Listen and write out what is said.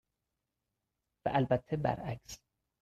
و البته برعکس.